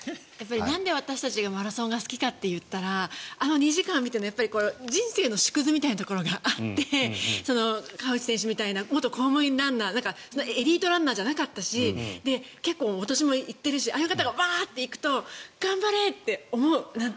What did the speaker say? なんで私たちがマラソンが好きかっていったらあの２時間見ているのは人生の縮図みたいなところがあって、川内選手みたいな元公務員ランナーエリートランナーじゃなかったし結構お年もいってるしああいう方がバーッと行くと頑張れ！って思う。